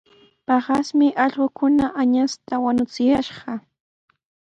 Paqasmi allquukuna añasta wañuchuyashqa.